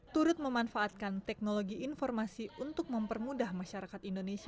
turut memanfaatkan teknologi informasi untuk mempermudah masyarakat indonesia